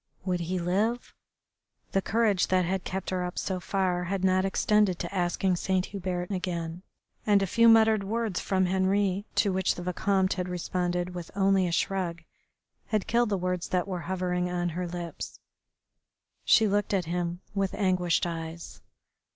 Would he live? The courage that had kept her up so far had not extended to asking Saint Hubert again, and a few muttered words from Henri, to which the Vicomte had responded with only a shrug, had killed the words that were hovering on her lips. She looked at him with anguished eyes.